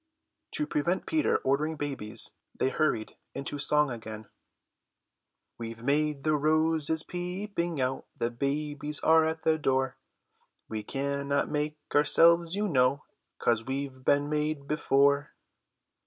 To prevent Peter ordering babies they hurried into song again: "We've made the roses peeping out, The babes are at the door, We cannot make ourselves, you know, 'Cos we've been made before."